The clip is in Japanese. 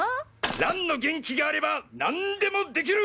蘭の元気があれば何でもできる！